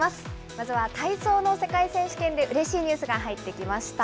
まずは体操の世界選手権でうれしいニュースが入ってきました。